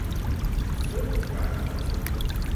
ซึ่งการประชุม